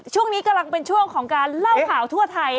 ช่วงนี้กำลังเป็นช่วงของการเล่าข่าวทั่วไทย